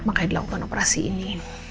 makanya dilakukan operasi ini